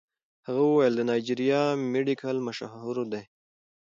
هغه وویل د نایجیریا مډیګا مشهور دی.